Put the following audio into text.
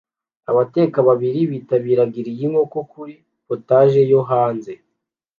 Abateka babiri bitabira grill yinkoko kuri POTAGE yo hanze